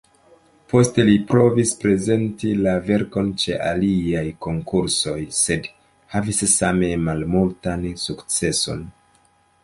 Poste li provis prezenti la verkon ĉe aliaj konkursoj, sed havis same malmultan sukceson.